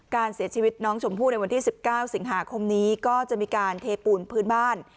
การเสียชีวิตน้องชมพู่ในวันที่๑๙สิงหาคมนี้ก็จะมีการเทปูนพื้นบ้าน